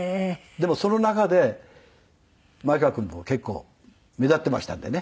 でもその中で前川君も結構目立っていましたんでね。